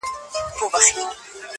چي خاوند به له بازاره راغی کورته.!